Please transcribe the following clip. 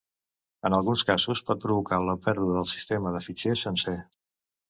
En alguns casos, pot provocar la pèrdua del sistema de fitxers sencer.